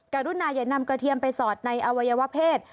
การุ่นนายนำกระเทียมไปสอดในอวัยวะเพศ